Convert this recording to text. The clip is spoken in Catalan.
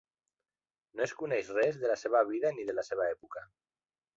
No es coneix res de la seva vida ni de la seva època.